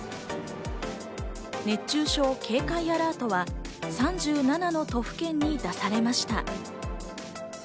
熱中症警戒アラートは３７の都府県に出されました。